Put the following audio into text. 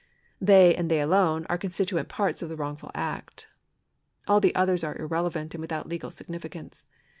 They and they alone are constituent parts of the wrongful act. All the others are irrelevant and without legal significance.